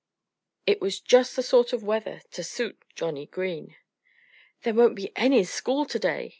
It was just the sort of weather to suit Johnnie Green. "There won't be any school to day!"